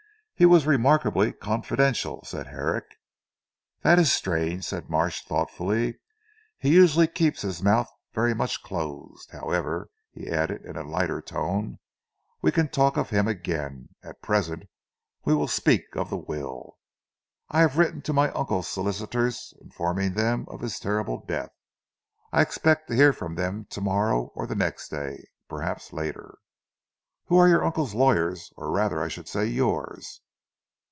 "He was remarkably confidential," said Herrick. "That is strange," said Marsh thoughtfully. "He usually keeps his mouth very much closed. However," he added in a lighter tone, "we can talk of him again. At present, we will speak of the will. I have written to my uncle's solicitors informing them of his terrible death. I expect to hear from them to morrow or the next day perhaps later." "Who are your uncle's lawyers or rather I should say yours?"